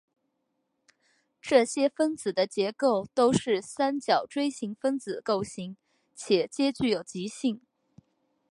这些分子的结构都是三角锥形分子构型且皆具有极性。